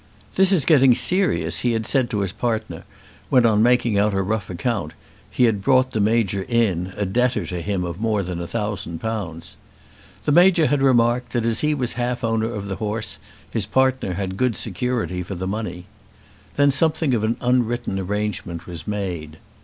"This is getting serious," he had said to his partner when, on making out a rough account, he had brought the Major in a debtor to him of more than a thousand pounds. The Major had remarked that as he was half owner of the horses his partner had good security for the money. Then something of an unwritten arrangement was made.